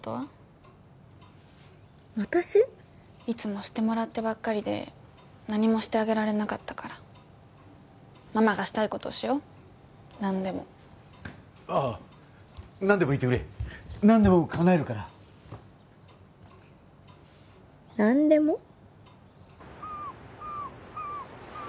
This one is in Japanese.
いつもしてもらってばっかりで何もしてあげられなかったからママがしたいことをしよう何でもああ何でも言ってくれ何でもかなえるから何でも？